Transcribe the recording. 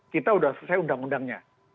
kita sudah selesai undang undangnya